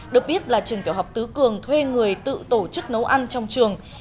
được biết là trường tiểu học tứ cường thuê người tự tổ chức nấu ăn trong trường